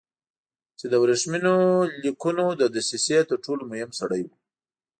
چې د ورېښمینو لیکونو د دسیسې تر ټولو مهم سړی و.